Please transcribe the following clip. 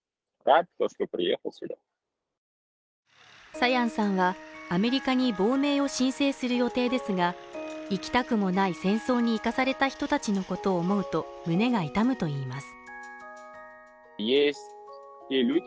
サヤンさんはアメリカに亡命を申請する予定ですが行きたくもない戦争に行かされた人たちのことを思うと胸が痛むといいます